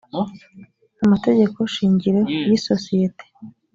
amategeko shingiro y isosiyete